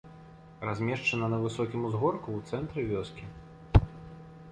Размешчана на высокім узгорку ў цэнтры вёскі.